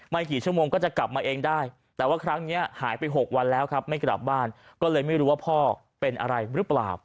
กี่ชั่วโมงก็จะกลับมาเองได้แต่ว่าครั้งนี้หายไป๖วันแล้วครับไม่กลับบ้านก็เลยไม่รู้ว่าพ่อเป็นอะไรหรือเปล่า